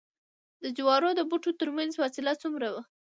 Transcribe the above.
د جوارو د بوټو ترمنځ فاصله څومره وي؟